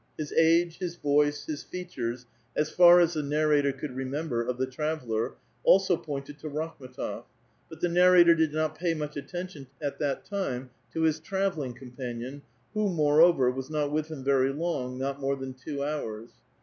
His age, his voice, his features, as far as the narratx)r conld remember, of the traveller, also pointed to Rakhin^tof ; but the narrator did not pay much attention at that tim'3 to his travelling companion, who, moreover, was not with him very long, not more than two houi s.